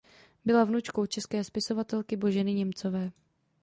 Byla vnučkou české spisovatelky Boženy Němcové.